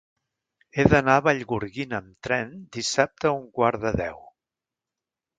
He d'anar a Vallgorguina amb tren dissabte a un quart de deu.